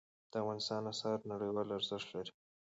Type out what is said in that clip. د افغانستان آثار نړیوال ارزښت لري.